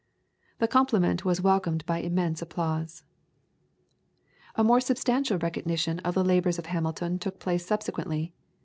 The compliment was welcomed by immense applause." A more substantial recognition of the labours of Hamilton took place subsequently.